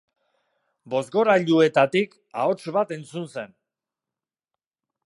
Bozgorailuetatik ahots bat entzun zen.